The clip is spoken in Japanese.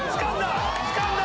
つかんだ！